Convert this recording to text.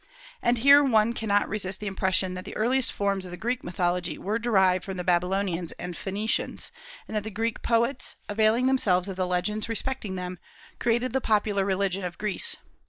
And here one cannot resist the impression that the earliest forms of the Greek mythology were derived from the Babylonians and Phoenicians, and that the Greek poets, availing themselves of the legends respecting them, created the popular religion of Greece.